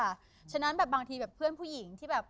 เพราะฉะนั้นแบบบางทีแบบเพื่อนผู้หญิงที่แบบ